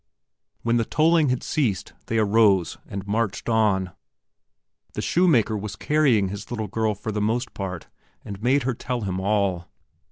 When the tolling had ceased they arose and marched on. The shoemaker was carrying his little girl for the most part and made her tell him all.